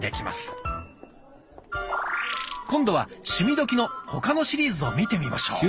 今度は「趣味どきっ！」の他のシリーズを見てみましょう。